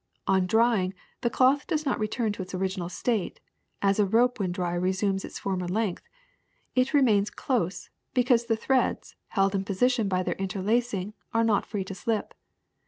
On drying, the cloth does not return to its original state, as a rope when dry resumes its former length ; it remains close, because the threads, held in position by their interlacing, are not free to slip.